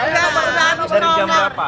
dari jam berapa